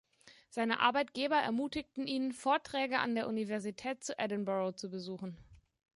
Seine Arbeitgeber ermutigten ihn, Vorträge an der Universität von Edinburgh zu besuchen.